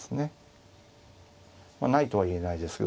まあないとは言えないですよ。